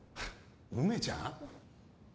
梅ちゃん？